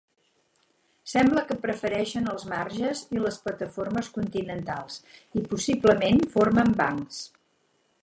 Sembla que prefereixen els marges i les plataformes continentals, i possiblement formen bancs.